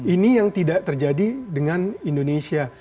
ini yang tidak terjadi dengan indonesia